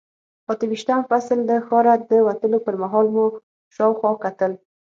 اته ویشتم فصل، له ښاره د وتلو پر مهال مو شاوخوا کتل.